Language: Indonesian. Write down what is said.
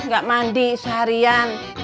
gak mandi seharian